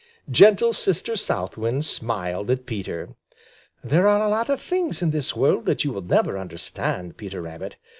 Gentle Sister South Wind smiled at Peter. "There are a lot of things in this world that you will never understand, Peter Rabbit.